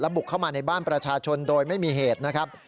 บุกเข้ามาในบ้านประชาชนโดยไม่มีเหตุนะครับ